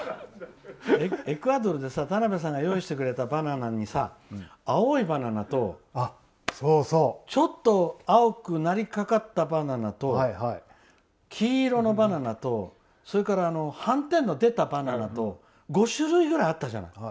エクアドルで田邊さんが用意してくれたバナナに青いバナナと、ちょっと青くなりかかったバナナと黄色のバナナと斑点の出たバナナと５種類ぐらいあったんです。